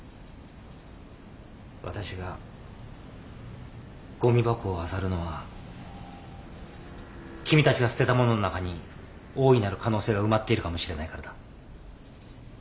私がゴミ箱をあさるのは君たちが捨てたものの中に大いなる可能性が埋まっているかもしれないからだ。